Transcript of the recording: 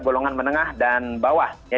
golongan menengah dan bawah